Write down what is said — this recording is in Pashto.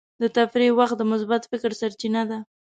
د تفریح وخت د مثبت فکر سرچینه ده.